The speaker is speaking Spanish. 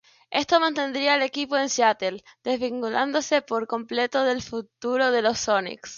Esto mantendría el equipo en Seattle, desvinculándose por completo del futuro de los Sonics.